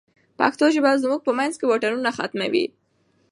پښتو ژبه زموږ په منځ کې واټنونه ختموي.